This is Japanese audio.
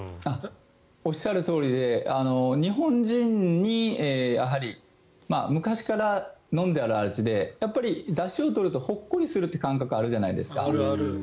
おっしゃるとおりで日本人にやはり昔から飲んでる味でだしを取るとほっこりするという感覚があるじゃないですか。